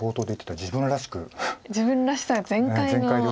自分らしさ全開の。